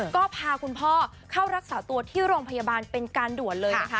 ก็พาคุณพ่อเข้ารักษาตัวที่โรงพยาบาลเป็นการด่วนเลยนะคะ